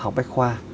học bách khoa